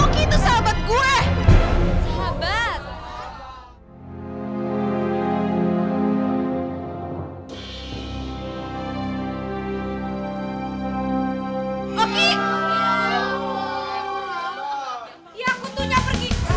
kita berhasil ya